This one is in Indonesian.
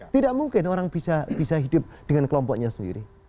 tidak mungkin orang bisa hidup dengan kelompoknya sendiri